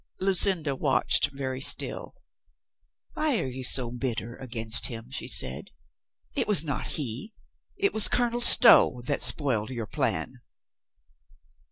Lucinda watched, very still. "Why are you so bitter against him ?" she said. "It was not he, it was Colonel Stow that spoiled your plan."